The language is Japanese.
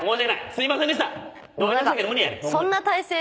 すいませんでした！